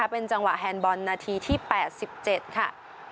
เป็นจังหวะแฮนดบอลนาทีที่๘๗ค่ะ